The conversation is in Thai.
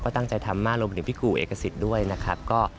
ตั้งใจทำมากรวมไปถึงพี่ครูเอกสิทธิ์ด้วยนะครับ